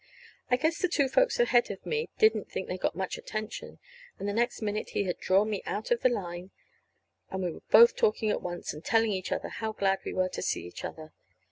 I guess the two folks ahead of me didn't think they got much attention, and the next minute he had drawn me out of the line, and we were both talking at once, and telling each other how glad we were to see each other.